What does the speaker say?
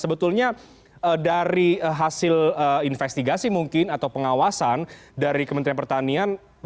sebetulnya dari hasil investigasi mungkin atau pengawasan dari kementerian pertanian